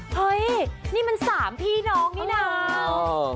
เฮ้ยนี่มันสามพี่น้องนี่นะโอ้โห